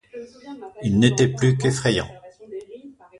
Il n’était plus qu’effrayant.